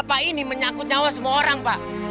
bapak ini menyakut nyawa semua orang pak